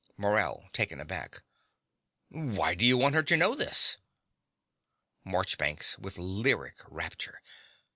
MORELL (taken aback.) Why do you want her to know this? MARCHBANKS (with lyric rapture.)